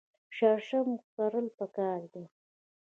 شړشم کرل پکار دي.